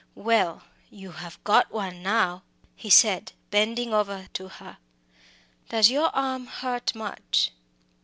"Well, you have got one now," he said, bending over to her. "Does your arm hurt you much?"